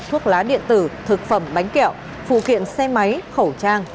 thuốc lá điện tử thực phẩm bánh kẹo phụ kiện xe máy khẩu trang